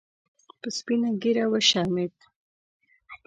په سپینه ګیره وشرمید